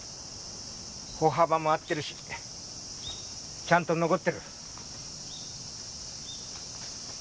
歩幅も合ってるしちゃんと残ってる。